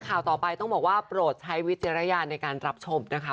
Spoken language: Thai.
ข่าวต่อไปต้องบอกว่าโปรดใช้วิจารณญาณในการรับชมนะคะ